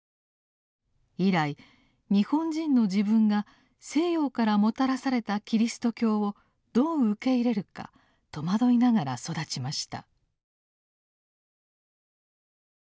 以来日本人の自分が西洋からもたらされたキリスト教をどう受け入れるか戸惑いながら育ちました。